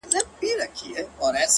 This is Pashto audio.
پوه انسان د اورېدو هنر زده وي